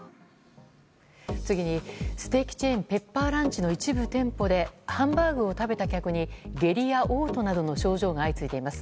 次に、ステーキチェーンペッパーランチの一部店舗でハンバーグを食べた客に下痢や嘔吐などの症状が相次いでいます。